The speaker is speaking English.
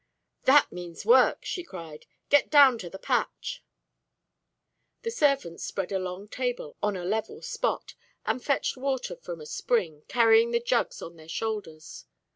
"That means work," she cried. "Get down to the patch." The servants spread a long table on a level spot, and fetched water from a spring, carrying the jugs on their shoulders.